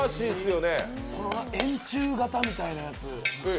円柱型みたいなやつ。